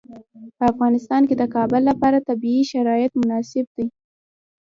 په افغانستان کې د کابل لپاره طبیعي شرایط مناسب دي.